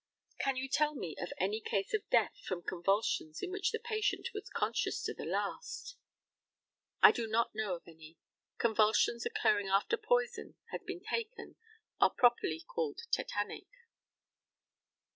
Can you tell me of any case of death from convulsions in which the patient was conscious to the last? I do not know of any; convulsions occurring after poison has been taken are properly called tetanic.